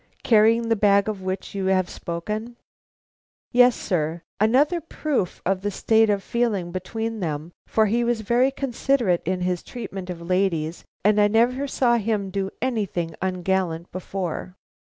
"Carrying the bag of which you have spoken?" "Yes, sir; another proof of the state of feeling between them, for he was very considerate in his treatment of ladies, and I never saw him do anything ungallant before."